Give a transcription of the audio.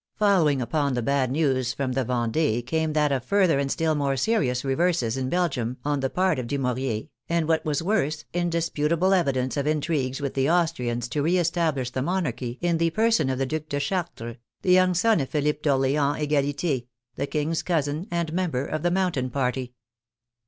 Following upon the bad news from the Vendee came that of further and still more serious reverses in Belgium on the part of Du mouriez, and, what was worse, indisputable evidence of intrigues with the Austrians to reestablish the monarchy in the person of the Due de Chartres, the young son of Philippe d'Orleans Egalite (the King's cousin and a mem ber of the Mountain party).